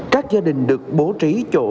các gia đình được bố trí chỗ